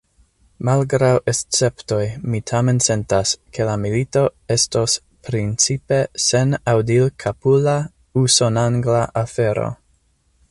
Malgraŭ esceptoj, mi tamen sentas, ke la milito estos principe senaŭdilkapula, usonangla afero.